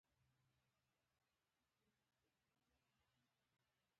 ژوند یې خوندي شو.